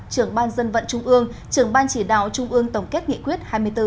trưởng ban dân vận trung ương trưởng ban chỉ đạo trung ương tổng kết nghị quyết hai mươi bốn